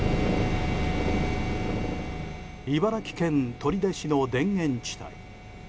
茨城県取手市の田園地帯。